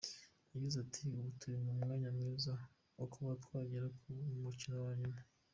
Yagize ati “Ubu turi mu mwanya mwiza wo kuba twagera ku mukino wa nyuma.